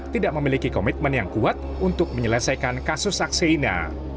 tidak memiliki komitmen yang kuat untuk menyelesaikan kasus akseina